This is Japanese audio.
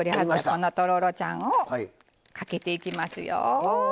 このとろろちゃんをかけていきますよ。